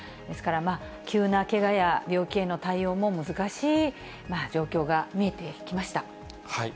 ですから、急なけがや病気への対応も難しい状況が見えてきました。